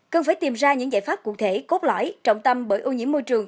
cần phải tìm ra những giải pháp cụ thể cốt lõi trọng tâm bởi ô nhiễm môi trường